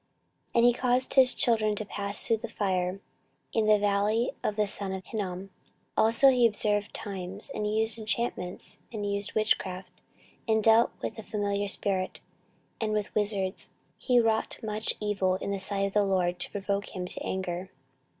14:033:006 And he caused his children to pass through the fire in the valley of the son of Hinnom: also he observed times, and used enchantments, and used witchcraft, and dealt with a familiar spirit, and with wizards: he wrought much evil in the sight of the LORD, to provoke him to anger.